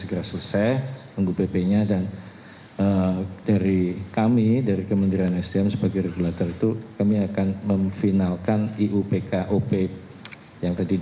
kementerian keuangan telah melakukan upaya upaya